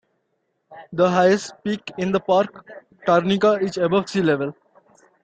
The highest peak in the park, Tarnica, is above sea level.